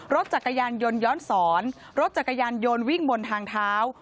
รถจักรยานยนต์ย้อนสอนรถจักรยานยนต์วิ่งบนทางเท้า